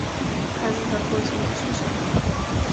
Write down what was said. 孩子的父亲又是谁？